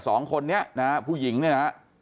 สองคนนี้นะฮะผู้หญิงเนี่ยนะฮะ